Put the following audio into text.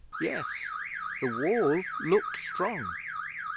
Yes, the Wall looked strong.